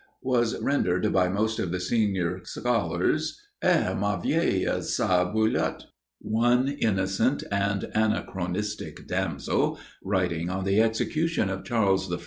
_ was rendered by most of the senior scholars Eh, ma vieille, ca boulotte? One innocent and anachronistic damsel, writing on the execution of Charles I.